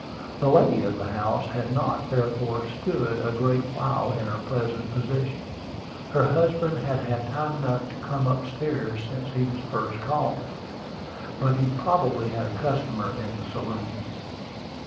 The lady of the house had not, therefore, stood a great while in her present position. Her husband had had time enough to come up stairs since he was first called, but he probably had a customer in the saloon.